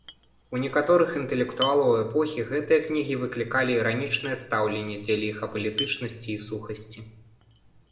У некаторых інтэлектуалаў эпохі гэтыя кнігі выклікалі іранічнае стаўленне дзеля іх апалітычнасці і сухасці.